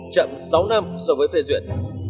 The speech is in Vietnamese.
chậm sáu năm so với phê duyệt